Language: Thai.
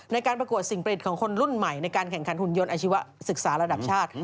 ในการประกวดสิ่งประดิษฐ์ของคนรุ่นใหม่ในการแข่งขันหุ่นยนต์อาชีวศึกษาระดับชาติ